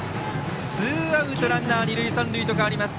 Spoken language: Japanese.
ツーアウトランナー、二塁三塁と変わります。